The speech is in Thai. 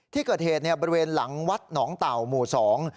ที่เกิดเหตุเนี่ยบริเวณหลังวัดหนองเต่าหมู่สอง